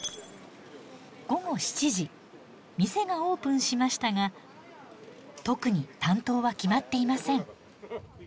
店がオープンしましたが特に担当は決まっていません。